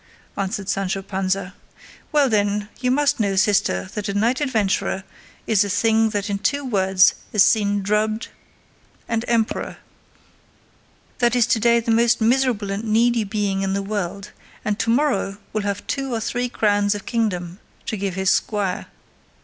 answered Sancho Panza. "Well, then, you must know, sister, that a knight adventurer is a thing that in two words is seen drubbed and emperor, that is to day the most miserable and needy being in the world, and to morrow will have two or three crowns of kingdoms to give his squire."